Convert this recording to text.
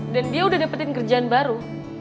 dan dia udah dapetin kerjaan baru